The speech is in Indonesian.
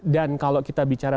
dan kalau kita bicara